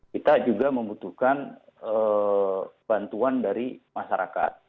kita juga membutuhkan bantuan dari masyarakat